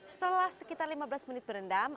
setelah sekitar lima belas menit berendam